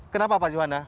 kenapa pak johana